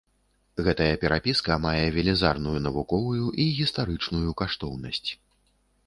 Гэтая перапіска мае велізарную навуковую і гістарычную каштоўнасць.